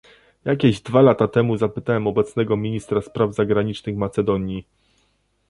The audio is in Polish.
Jakieś dwa lata temu zapytałem obecnego ministra spraw zagranicznych Macedonii